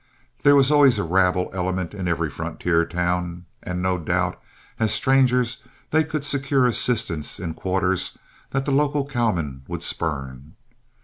There was always a rabble element in every frontier town, and no doubt, as strangers, they could secure assistance in quarters that the local cowmen would spurn.